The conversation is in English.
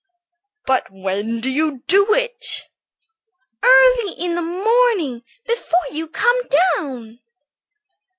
"But when do you do it?" "Early in the morning before you come down."